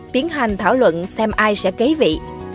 tiến hành thảo luận xem ai sẽ kế vị